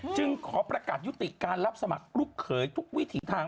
จึงขอประกาศยุติการรับสมัครลูกเขยทุกวิถีทาง